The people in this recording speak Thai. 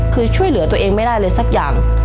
คือช่วยเหลือตัวเองไม่ได้เลยสักอย่าง